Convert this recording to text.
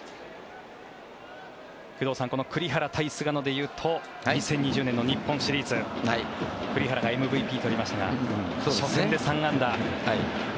工藤さんこの栗原対菅野でいうと２０２０年の日本シリーズ栗原がＭＶＰを取りましたが初戦で３安打。